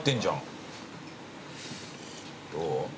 どう？